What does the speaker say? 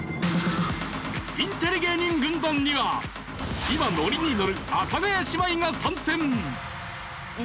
インテリ芸人軍団には今ノリにのる阿佐ヶ谷姉妹が参戦！